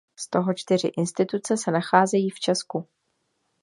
Z toho čtyři instituce se nacházejí v Česku.